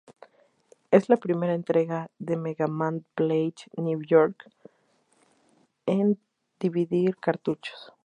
Es la primera entrega de "Mega Man Battle Network" en dividir cartuchos.